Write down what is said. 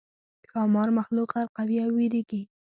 ښامار مخلوق غرقوي نو وېرېږي.